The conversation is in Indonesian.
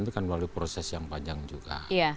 itu kan melalui proses yang panjang juga